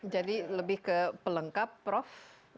jadi lebih ke pelengkap prof